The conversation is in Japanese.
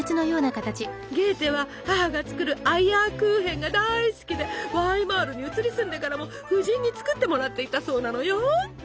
ゲーテは母が作るアイアークーヘンが大好きでワイマールに移り住んでからも夫人に作ってもらっていたそうなのよ。